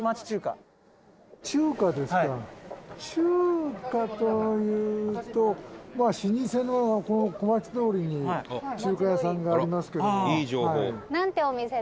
「中華というと老舗のこの小町通りに中華屋さんがありますけども」